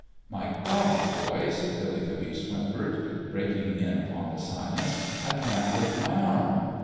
" My God, boys !" Billy the Beast whimpered, breaking in upon the silence, " I can't lift my arm."